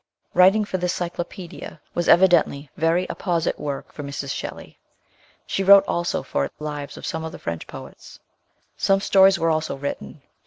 Writing for this Cyclopaedia was evidently very appo site work for Mrs. Shelley. She wrote also for it lives of some of the French poets. Some stories were also written.